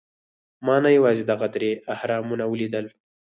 ما نه یوازې دغه درې اهرامونه ولیدل.